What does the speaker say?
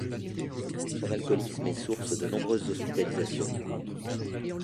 Son alcoolisme est source de nombreuses hospitalisations.